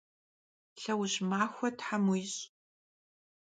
Lheuj maxue them yiş'!